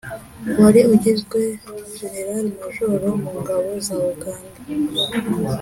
wari ugizwe jenerali majoro mu ngabo za uganda,